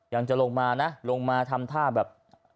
ยังจะลงมานะลงมาทำท่าแบบ